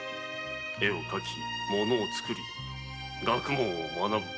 絵を描きものを創り学問を学ぶ。